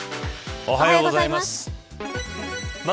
おはようございます。